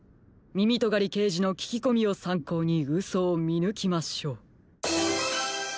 みみとがりけいじのききこみをさんこうにうそをみぬきましょう。